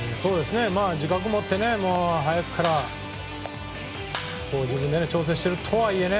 自覚を持って、早くから自分で調整しているとはいえね。